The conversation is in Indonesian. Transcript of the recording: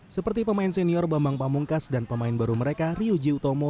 seperti pemain senior bambang pamungkas dan pemain baru mereka ryuji utomo